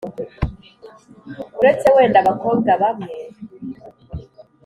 Uretse wenda abakobwa bamwe